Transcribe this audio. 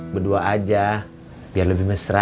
berdua aja biar lebih mesra